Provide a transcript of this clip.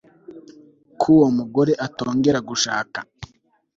ko uwo mugore atongera gushaka